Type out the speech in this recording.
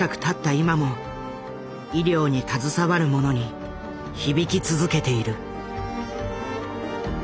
今も医療に携わる者に響き続けている。